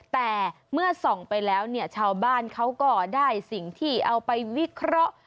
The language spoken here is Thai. แต่เมื่อส่องไปแล้วเนี่ยชาวบ้านเขาก็ได้สิ่งที่เอาไปวิเคราะห์